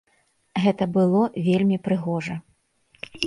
Гэта было вельмі прыгожа.